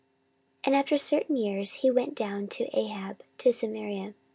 14:018:002 And after certain years he went down to Ahab to Samaria.